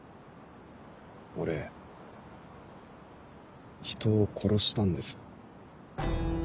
俺人を殺したんです。